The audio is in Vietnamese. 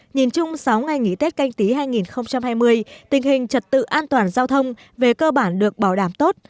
nhìn chung sáu ngày nghỉ tết canh tí hai nghìn hai mươi tình hình trật tự an toàn giao thông về cơ bản được bảo đảm tốt